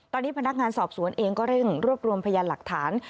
ตอนนี้พนักงานสอบสวนเองก็เร่งรวบรวมพยานหลักฐาน